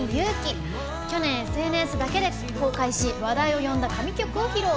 去年、ＳＮＳだけで公開し話題を呼んだ「神曲」を披露。